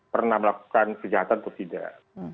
pernah melakukan kejahatan atau tidak